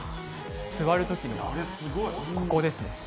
座るときのここですね。